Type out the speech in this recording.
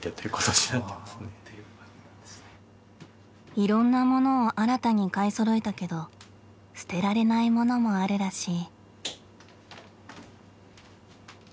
いろんなものを新たに買いそろえたけど捨てられないものもあるらしい。